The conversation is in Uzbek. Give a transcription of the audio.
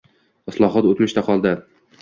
Islohot o'tmishda qoldi